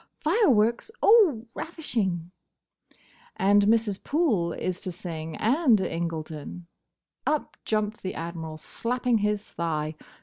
"Fireworks! Oh, ravishing!" "And Mrs. Poole is to sing; and Incledon." Up jumped the Admiral, slapping his thigh.